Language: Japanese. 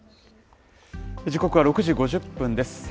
時刻は６時５０分です。